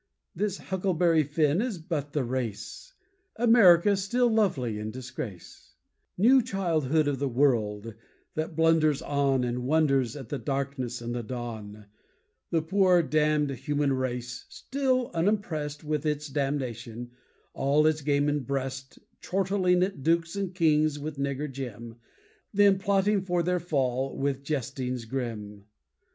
This Huckleberry Finn is but the race, America, still lovely in disgrace, New childhood of the world, that blunders on And wonders at the darkness and the dawn, The poor damned human race, still unimpressed With its damnation, all its gamin breast Chorteling at dukes and kings with nigger Jim, Then plotting for their fall, with jestings grim.